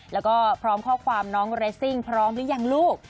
แล้วก็พร้อมข้อความน้องเรสซิ่งพร้อมหรือยังลูก